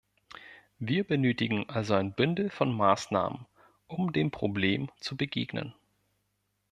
Wir benötigen also ein Bündel von Maßnahmen, um dem Problem zu begegnen.